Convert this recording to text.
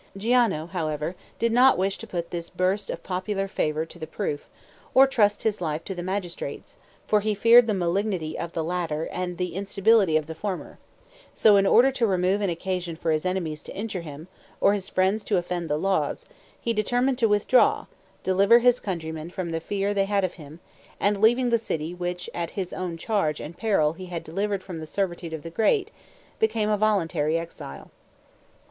Giano, however, did not wish to put this burst of popular favor to the proof, or trust his life to the magistrates, for he feared the malignity of the latter and the instability of the former; so, in order to remove an occasion for his enemies to injure him, or his friends to offend the laws, he determined to withdraw, deliver his countrymen from the fear they had of him, and, leaving the city which at his own charge and peril he had delivered from the servitude of the great, become a voluntary exile.